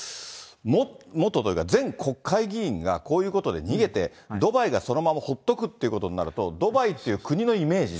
元というか、前国会議員でこういうことで逃げて、ドバイがそのままほっとくということになると、ドバイという国のイメージね。